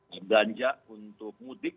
belanja untuk mudik